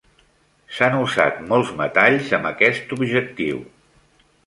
S'han usat molts metalls amb aquest objectiu.